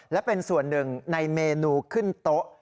และเป็นส่วนหนึ่งในเมนูขึ้นโต๊ะ